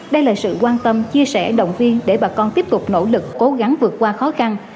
đây là sự quan tâm chia sẻ động viên để bà con tiếp tục nỗ lực cố gắng vượt qua khó khăn